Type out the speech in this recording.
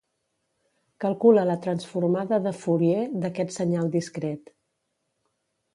Calcula la transformada de Fourier d'aquest senyal discret